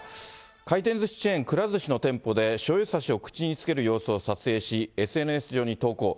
回転ずしチェーンくら寿司の店舗でしょうゆ差しを口につける様子を撮影し、ＳＮＳ上に投稿。